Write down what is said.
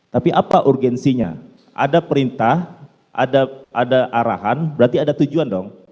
tapi apa urgensinya ada perintah ada arahan berarti ada tujuan dong